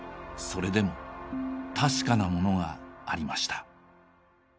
それでも確かなものがありました。